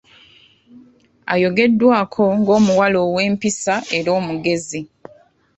Ayogeddwako ng’omuwala ow’empisa era omugezi .